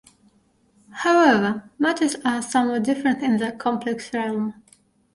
However, matters are somewhat different in the complex realm.